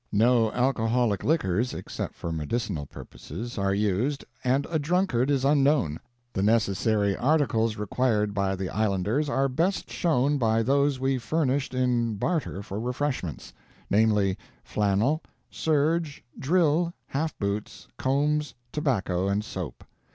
No alcoholic liquors, except for medicinal purposes, are used, and a drunkard is unknown.... The necessary articles required by the islanders are best shown by those we furnished in barter for refreshments: namely, flannel, serge, drill, half boots, combs, tobacco, and soap.